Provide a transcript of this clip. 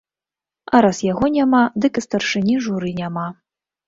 А раз яго няма, дык і старшыні журы няма.